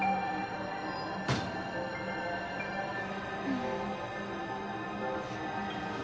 うん。